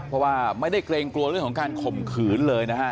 เพราะว่าไม่ได้เกรงกลัวเรื่องของการข่มขืนเลยนะฮะ